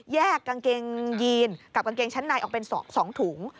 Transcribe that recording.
กางเกงยีนกับกางเกงชั้นในออกเป็น๒ถุง